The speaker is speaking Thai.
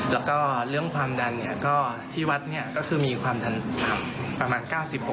แล้วก็เรื่องความดันที่วัดเนี่ยก็คือมีความดันต่ำประมาณ๙๖